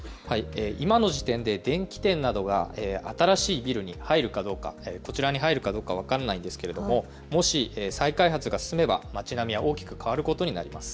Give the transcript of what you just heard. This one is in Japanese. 今の時点で電気店などが新しいビルに入るかどうかは分からないですけれどももし再開発が進めば町並みが大きく変わることになります。